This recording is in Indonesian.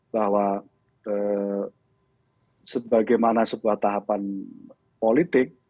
bahwa sebagaimana sebuah tahapan politik